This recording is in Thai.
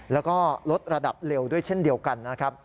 แล้วก็ลดระดับเร็วด้วยเช่นเดียวกันนะครับ